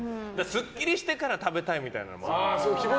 すっきりしてから食べたいみたいな。